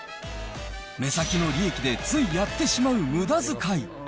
目先の利益でついやってしまうむだづかい。